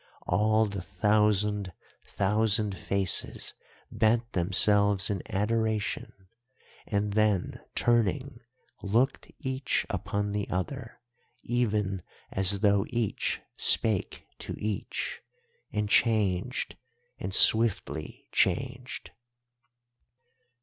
all the thousand thousand faces bent themselves in adoration and then, turning, looked each upon the other even as though each spake to each, and changed, and swiftly changed.